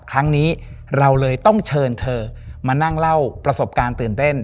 ครั้งนี้เราเลยต้องเชิญเธอมานั่งเล่าประสบการณ์ตื่นเต้น